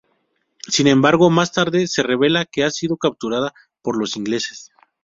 Sin embargo, más tarde se revela que ha sido capturada por los ingleses.